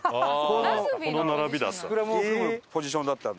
この並びだった。